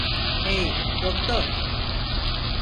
Hey, doktor.